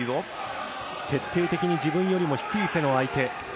徹底的に自分よりも低い背の相手。